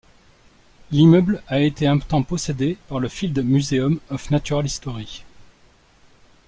L'immeuble a été un temps possédé par le Field Museum of Natural History.